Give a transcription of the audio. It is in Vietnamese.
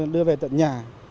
đưa về tận nhà